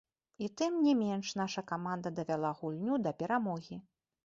І тым не менш наша каманда давяла гульню да перамогі.